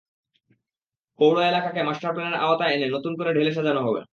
পৌর এলাকাকে মাস্টার প্ল্যানের আওতায় এনে নতুন করে ঢেলে সাজানো হবে।